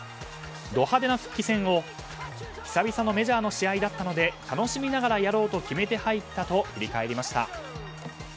ド派手な復帰戦を久々のメジャーの試合だったので楽しみながらやろうと決めて入ったと振り返りました。